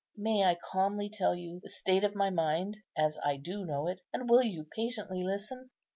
May I calmly tell you the state of my mind, as I do know it, and will you patiently listen?"